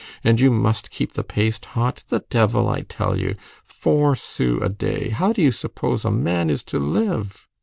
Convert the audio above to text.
And you must keep the paste hot. The devil, I tell you! Four sous a day! How do you suppose a man is to live?"